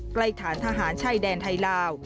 ใกล้ฐานทหารช่ายแดนไทยลาว